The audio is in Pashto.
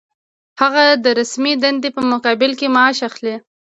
هغه د رسمي دندې په مقابل کې معاش اخلي.